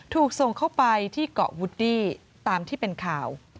ถูกส่งเข้าไปที่เกาะวูดดี้ตามที่เป็นข่าว